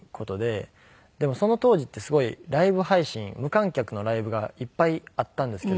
でもその当時ってすごいライブ配信無観客のライブがいっぱいあったんですけど。